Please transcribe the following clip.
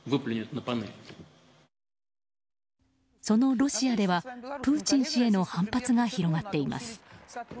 そのロシアではプーチン氏への反発が広がっています。